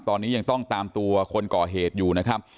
ตอนนี้ยังต้องตามตัวคนก่อเหตุอยู่นะครับ